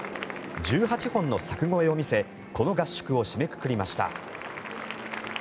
１８本の柵越えを見せこの合宿を締めくくりました。